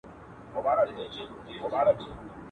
بې پناه ومه، اسره مي اول خدای ته وه بیا تاته.